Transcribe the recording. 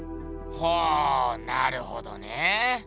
ほぉなるほどね。